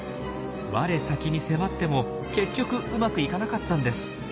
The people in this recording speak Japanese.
我先に迫っても結局うまくいかなかったんです。